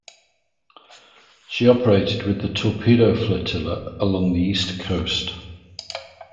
She operated with the Torpedo Flotilla along the east coast.